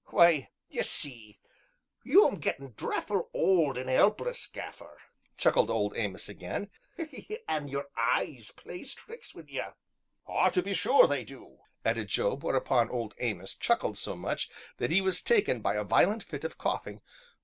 "Why, ye see, you 'm gettin' dre'fful old an' 'elpless, Gaffer," chuckled Old Amos again, "an' your eyes plays tricks wi' you." "Ah, to be sure they do!" added Job; whereupon Old Amos chuckled so much that he was taken by a violent fit of coughing.